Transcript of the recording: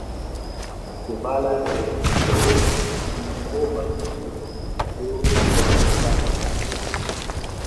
La ĉevala elemento sin trovas sur strukturo el kvar radoj.